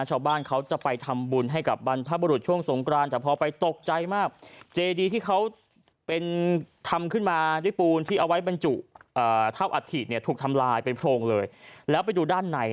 ชาวบ้านเขาจะไปทำบุญให้กับบรรพบุรุษช่วงสงกราน